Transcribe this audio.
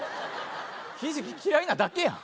ひじき嫌いなだけやん。